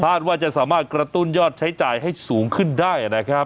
ว่าจะสามารถกระตุ้นยอดใช้จ่ายให้สูงขึ้นได้นะครับ